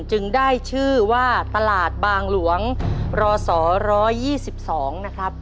จึงได้ชื่อว่าตลาดบางหลวงรศ๑๒๒นะครับ